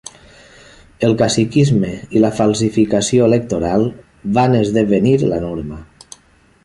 El caciquisme i la falsificació electoral van esdevenir la norma.